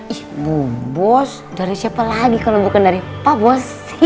ih bu bos dari siapa lagi kalo bukan dari pa bos